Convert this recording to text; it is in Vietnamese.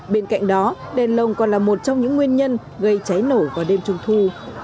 bên cạnh đó đèn lồng còn là một trong những nguyên nhân gây cháy nổ vào đêm trung thu